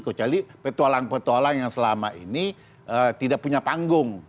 kecuali petualang petualang yang selama ini tidak punya panggung